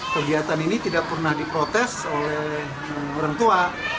kegiatan ini tidak pernah diprotes oleh orang tua